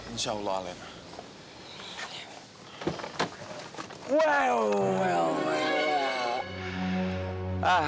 insya allah alena